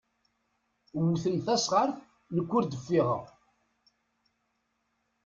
Wwten tasɣart, nekk ur d-ffiɣeɣ.